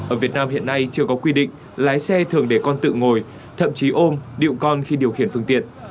ở việt nam hiện nay chưa có quy định lái xe thường để con tự ngồi thậm chí ôm điệu con khi điều khiển phương tiện